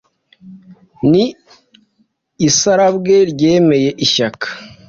ni isarabwe ryemeye ishyaka.